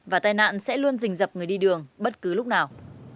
và tai nạn sẽ luôn rình dập người đi đường bất cứ lúc nào